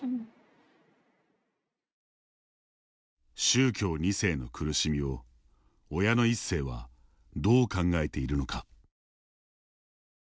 宗教２世の苦しみを親の１世はどう考えているのか。